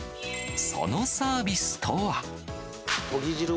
そのサービスとは。